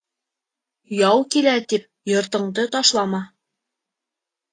Яу килә тип йортоңдо ташлама.